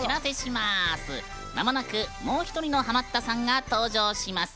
まもなくもう１人のハマったさんが登場します。